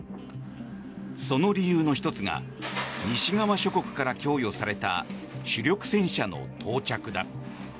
その理由の１つが西側諸国から供与された主力戦車の到着だ。